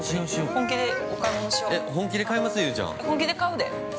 ◆本気で買うで。